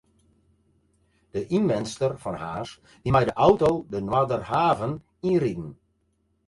De ynwenster fan Harns wie mei de auto de Noarderhaven yn riden.